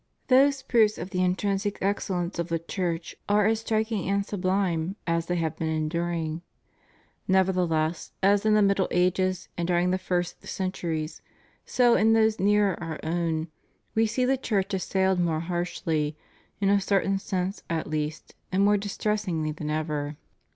Those proofs of the intrinsic excellence of the Church are as striking and sublime as they have been enduring. Nevertheless, as in the Middle Ages and during the first centuries, so in those nearer our own, we see the Church assailed more harshly, in a certain sense at least, and more distressingly than ever.